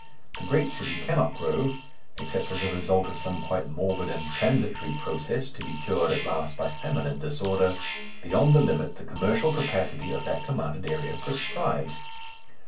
The great city cannot grow, except as a result of some quite morbid and transitory process to be cured at last by famine and disorder beyond the limit the commercial capacity of that commanded area prescribes.